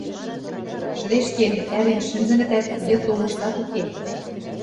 Шӹдешкен, ӓрен шӹнзӹнӹтӓт, йыд омыштат уке.